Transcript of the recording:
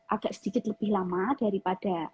agak sedikit lebih lama daripada